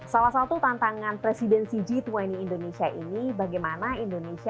salah satu tantangan presidensi g dua puluh indonesia ini bagaimana indonesia